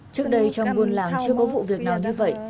trước đây trong buôn làng chưa có vụ việc nào như vậy